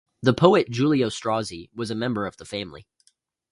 The poet Giulio Strozzi was a member of the family.